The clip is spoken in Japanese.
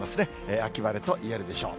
秋晴れといえるでしょう。